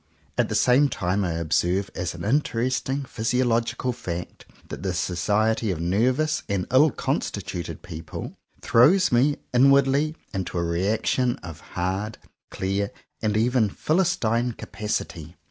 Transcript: At the same time I observe as an interesting physiological fact, that the so ciety of nervous and ill constituted people throws me, inwardly, into a reaction of hard, clear, and even philistine capacity.